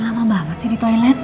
lama banget sih di toilet